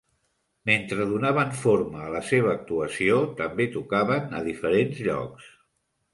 Mentre donaven forma a la seva actuació, també tocaven a diferents llocs.